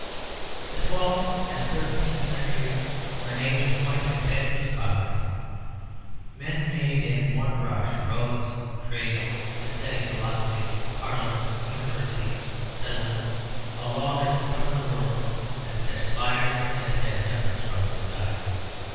The twelfth and thirteenth centuries were an age of quite impetuous progress; men made in one rush, roads, trades, synthetic philosophies, parliaments, university settlements, a law that could cover the world and such spires as had never struck the sky.